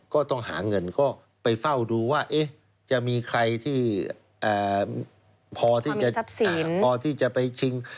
ก็ต้องหาเงินก็ไปเฝ้าดูว่าจะมีใครที่พอที่จะเสี่ยงพอที่จะไปชิง